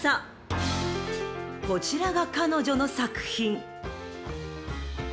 ［こちらが彼女の作品］